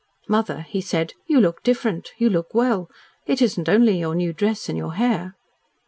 "Mother," he said, "you look different. You look well. It isn't only your new dress and your hair."